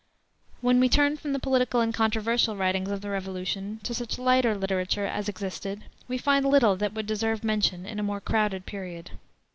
When we turn from the political and controversial writings of the Revolution to such lighter literature as existed, we find little that would deserve mention in a more crowded period.